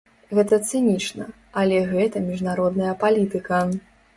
Гэта цынічна, але гэта міжнародная палітыка.